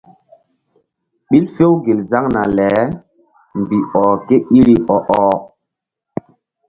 Ɓil few gel zaŋna le mbih ɔh ké iri ɔ-ɔh.